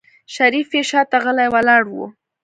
شريف يې شاته غلی ولاړ و.